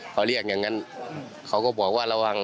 เขาเรียกอย่างนั้นเขาก็บอกว่าระวัง